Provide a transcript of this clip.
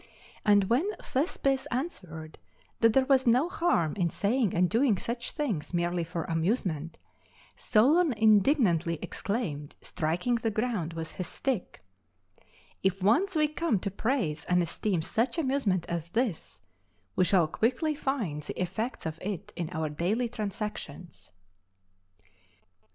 And when Thespis answered that there was no harm in saying and doing such things merely for amusement, Solon indignantly exclaimed, striking the ground with his stick, "If once we come to praise and esteem such amusement as this, we shall quickly find the effects of it in our daily transactions."